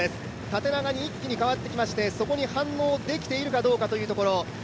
縦長に一気に変わってきまして、そこに反応できているかどうかというところ。